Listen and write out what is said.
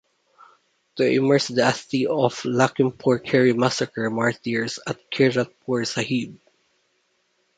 To immerse the asthi of Lakhimpur Kheri massacre martyrs at Kiratpur Sahib.